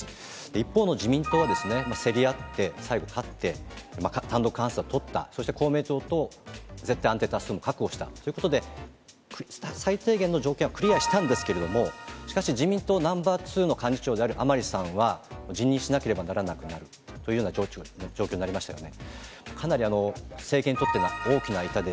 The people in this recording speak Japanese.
一方の自民党はですね、競り合って、最後、勝って、単独過半数は取った、そして公明党と絶対安定多数も確保したということで、最低限の条件はクリアしたんだけれども、しかし、自民党ナンバー２の幹事長である甘利さんは、辞任しなければならなくなるというような状況になりましたよね。